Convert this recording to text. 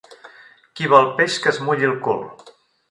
Qui vol peix que es mulli el cul.